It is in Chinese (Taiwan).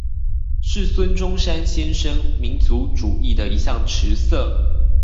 是孫中山先生民族主義的一項持色